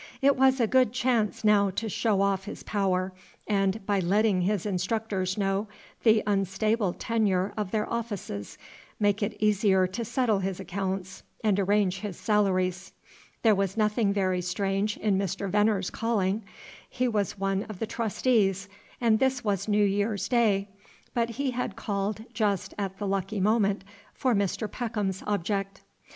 It was a good chance now to show off his power, and, by letting his instructors know the unstable tenure of their offices, make it easier to settle his accounts and arrange his salaries. There was nothing very strange in Mr. Venner's calling; he was one of the Trustees, and this was New Year's Day. But he had called just at the lucky moment for Mr. Peckham's object.